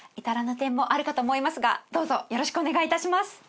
至らぬ点もあるかと思いますがどうぞよろしくお願いいたします。